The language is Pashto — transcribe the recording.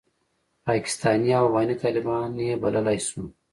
پاکستاني او افغاني طالبان یې بللای شو.